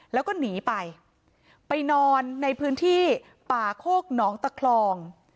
แล้วก็หนีไปไปนอนในพื้นที่ป่าโคกหนองตะคลอง